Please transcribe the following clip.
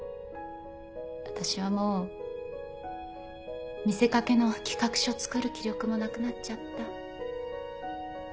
私はもう見せ掛けの企画書作る気力もなくなっちゃった。